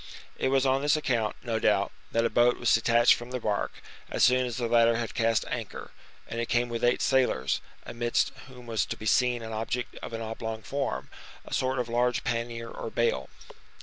It was on this account, no doubt, that a boat was detached from the bark, as soon as the latter had cast anchor, and came with eight sailors, amidst whom was to be seen an object of an oblong form, a sort of large pannier or bale.